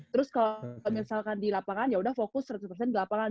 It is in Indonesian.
terus kalau misalkan di lapangan ya udah fokus seratus di lapangan